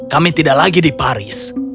kami tidak lagi di paris